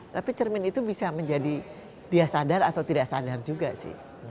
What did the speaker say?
tapi cermin itu bisa menjadi dia sadar atau tidak sadar juga sih